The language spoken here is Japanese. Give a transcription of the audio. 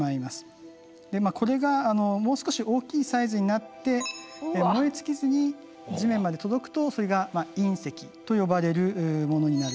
これがもう少し大きいサイズになって燃え尽きずに地面まで届くとそれが隕石と呼ばれるものになるわけですね。